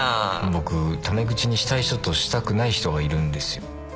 「僕ため口にしたい人としたくない人がいるんですよ」